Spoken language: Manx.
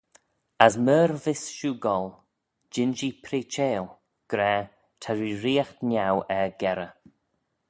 As myr vees shiu goll, jean-jee preacheil, gra, Ta reeriaght niau er-gerrey.